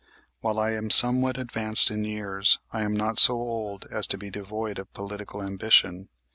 While I am somewhat advanced in years, I am not so old as to be devoid of political ambition.